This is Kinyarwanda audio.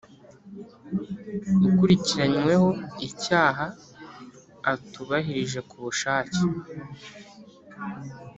Ukurikiranyweho icyaha atubahirije ku bushake